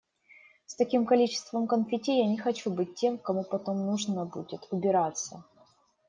С таким количеством конфетти я не хочу быть тем, кому потом нужно будет убираться.